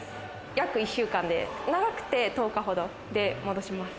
約１週間で、長くて１０日ほどで戻します。